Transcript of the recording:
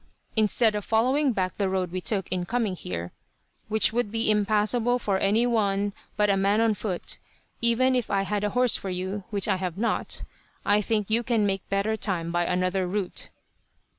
Instead of following back the road we took in coming here which would be impassable for any one but a man on foot, even if I had a horse for you, which I have not I think you can make better time by another route.